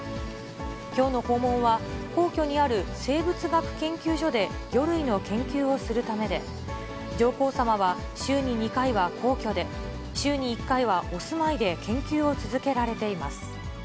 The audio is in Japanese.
きょうの訪問は、皇居にある生物学研究所で魚類の研究をするためで、上皇さまは週に２回は皇居で、週に１回はお住まいで研究を続けられています。